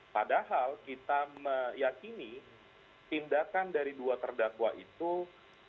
padahal kita meyakini tindakan dari dua terdakwa itu tidak